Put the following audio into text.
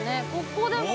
ここでも。